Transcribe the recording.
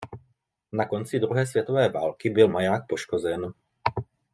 Na konci druhé světové války byl maják poškozen.